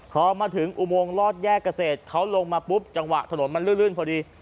พอมาถึงอุโมงลอดแยกเกษตรเขาลงมาปุ๊บจังหวะถนนมันลื่นพอดี